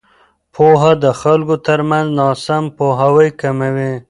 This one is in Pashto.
پوهه د خلکو ترمنځ ناسم پوهاوی کموي.